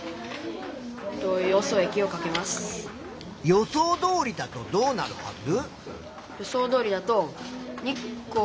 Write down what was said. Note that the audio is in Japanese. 予想どおりだとどうなるはず？